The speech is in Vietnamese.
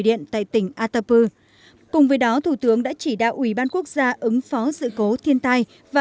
điện tại tỉnh atapu cùng với đó thủ tướng đã chỉ đạo ủy ban quốc gia ứng phó sự cố thiên tai và